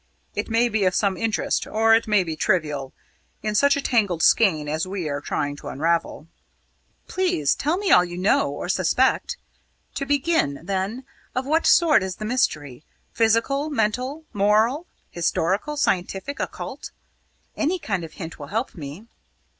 It may be of some interest, or it may be trivial, in such a tangled skein as we are trying to unravel." "Please tell me all you know or suspect. To begin, then, of what sort is the mystery physical, mental, moral, historical, scientific, occult? Any kind of hint will help me."